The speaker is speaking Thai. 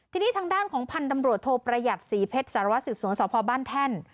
ทีนี้ทางด้านของพันธุ์ตำรวจโทประหยัดศรีเพชรสารวัสสืบสวนสพบ้านแท่น